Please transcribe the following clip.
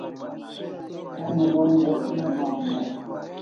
Emi Mon dek ne bahan dai